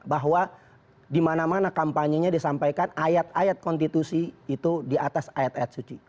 bahwa dimana mana kampanyenya disampaikan ayat ayat konstitusi itu di atas ayat ayat suci